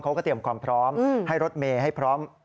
เขาก็เตรียมความพร้อมให้รถเมย์ให้พร้อม